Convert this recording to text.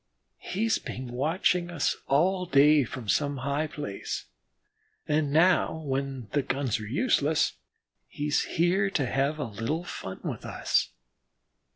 He's been watching us all day from some high place, and now when the guns are useless he's here to have a little fun with us."